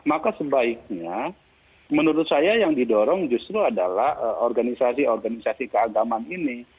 maka sebaiknya menurut saya yang didorong justru adalah organisasi organisasi keagamaan ini